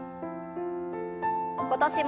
今年も。